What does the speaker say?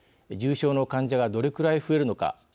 重症の患者がどれくらい増えるのか。